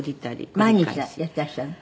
毎日やってらっしゃるの？